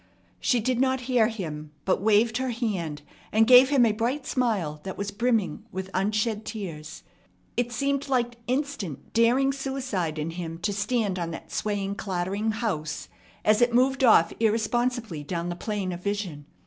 She did not hear him, but waved her hand, and gave him a bright smile that was brimming with unshed tears. It seemed like instant, daring suicide in him to stand on that swaying, clattering house as it moved off irresponsibly down the plane of vision.